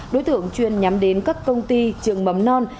đối tượng chuyên nhắm đến các công ty trường mầm non